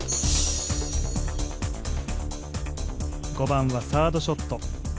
５番はサードショット。